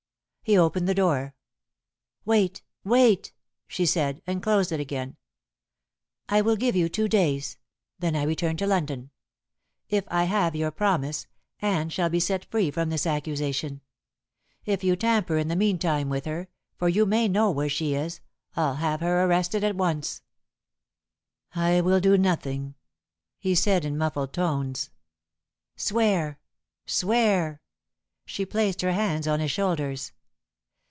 He opened the door. "Wait, wait!" she said, and closed it again. "I will give you two days. Then I return to London. If I have your promise, Anne shall be set free from this accusation. If you tamper in the meantime with her for you may know where she is I'll have her arrested at once." "I will do nothing," he said in muffled tones. "Swear! swear!" She placed her hands on his shoulders.